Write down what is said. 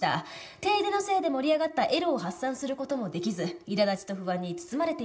「停電のせいで盛り上がったエロを発散する事もできずいら立ちと不安に包まれています」